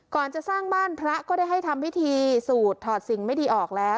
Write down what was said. จะสร้างบ้านพระก็ได้ให้ทำพิธีสูดถอดสิ่งไม่ดีออกแล้ว